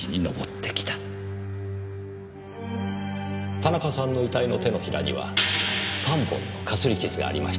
田中さんの遺体の手のひらには３本のかすり傷がありました。